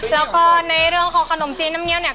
แล้วก็ในเรื่องของขนมจีนน้ำเงี้ยเนี่ย